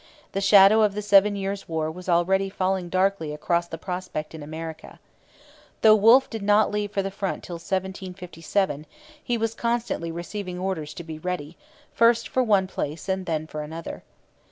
The shadow of the Seven Years' War was already falling darkly across the prospect in America. Though Wolfe did not leave for the front till 1757, he was constantly receiving orders to be ready, first for one place and then for another.